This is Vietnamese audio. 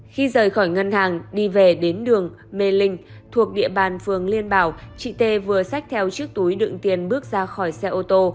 khi rời khỏi ngân hàng đi về đến đường mê linh thuộc địa bàn phường liên bảo chị t vừa xách theo chiếc túi đựng tiền bước ra khỏi xe ô tô